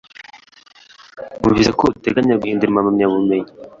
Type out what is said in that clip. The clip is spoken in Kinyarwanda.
Numvise ko uteganya guhindura impamyabumenyi